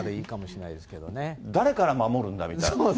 誰から守るんだみたいな。